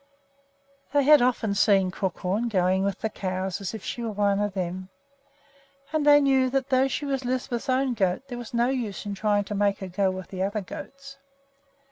They had often seen Crookhorn going with the cows as if she were one of them; and they knew that though she was Lisbeth's own goat there was no use in trying to make her go with the other goats.